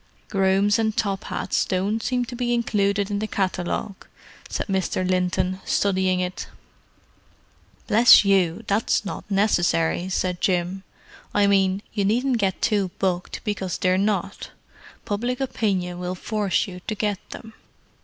"Grooms and top hats don't seem to be included in the catalogue," said Mr. Linton, studying it. "Bless you, that's not necessary," said Jim. "I mean, you needn't get too bucked because they're not. Public opinion will force you to get them.